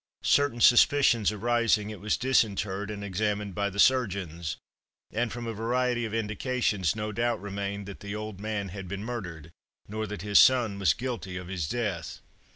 Certain suspicions arising, it was disinterred and examined by the surgeons, and, from a variety of indications, no doubt remained that the old man had been murdered, nor that his son was guilty of his death.